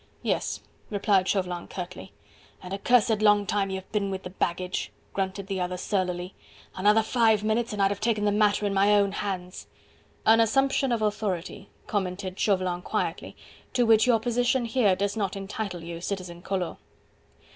"Yes," replied Chauvelin curtly. "And a cursed long time you have been with the baggage," grunted the other surlily. "Another five minutes and I'd have taken the matter in my own hands. "An assumption of authority," commented Chauvelin quietly, "to which your position here does not entitle you, Citizen Collot."